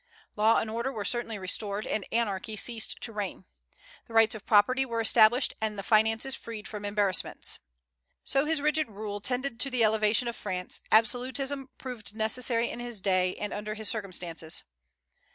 Law and order were certainly restored, and anarchy ceased to reign. The rights of property were established, and the finances freed from embarrassments. So his rigid rule tended to the elevation of France; absolutism proved necessary in his day, and under his circumstances.